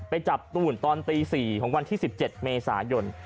ไปจับตู่นตอนตี๔ของวันที่๑๗เมษายน